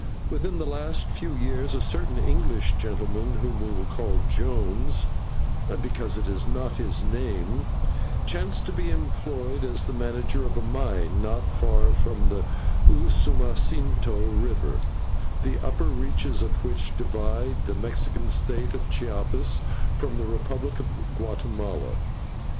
Within the last few years a certain English gentleman, whom we will call Jones, because it was not his name, chanced to be employed as the manager of a mine not far from the Usumacinto River, the upper reaches of which divide the Mexican State of Chiapas from the Republic of Guatemala.